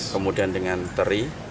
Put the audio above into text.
kemudian dengan teri